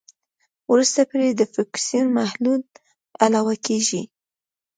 وروسته پرې د فوکسین محلول علاوه کیږي.